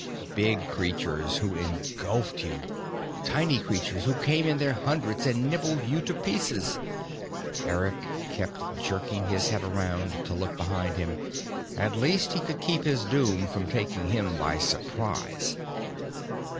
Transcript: Big creatures who engulfed you. Tiny creatures who came in their hundreds and nibbled you to pieces. Eric kept jerking his head around to look behind him: at least he could keep his doom from taking him by surprise.